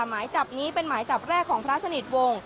หมายจับนี้เป็นหมายจับแรกของพระสนิทวงศ์